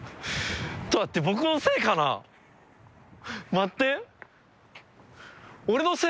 待って。